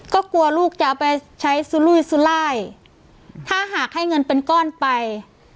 ก็กลัวลูกจะเอาไปใช้สุลุยสุรายถ้าหากให้เงินเป็นก้อนไป